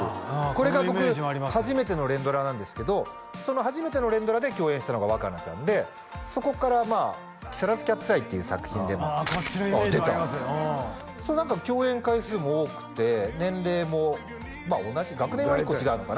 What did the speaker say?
これが僕初めての連ドラなんですけどその初めての連ドラで共演したのが若菜ちゃんでそこからまあ「木更津キャッツアイ」っていう作品でもこっちのイメージもありますああ出た共演回数も多くて年齢も同じ学年は１個違うのかな？